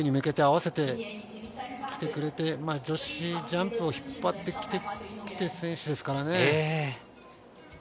オリンピックに向けて合わせて来てくれて女子ジャンプを引っ張ってきた選手ですからね。